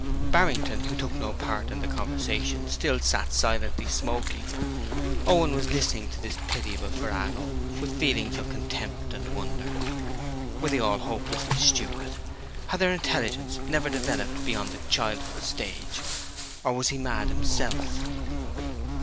Barrington, who took no part in the conversation, still sat silently smoking. Owen was listening to this pitiable farrago with feelings of contempt and wonder. Were they all hopelessly stupid? Had their intelligence never developed beyond the childhood stage? Or was he mad himself?